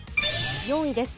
４位です。